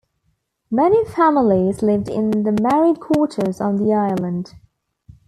Many families lived in the married quarters on the island.